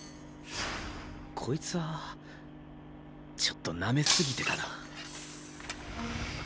こいつはちょっとなめ過ぎてたな。